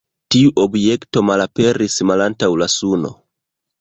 Tiu objekto malaperis malantaŭ la Suno.